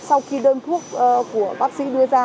sau khi đơn thuốc của bác sĩ đưa ra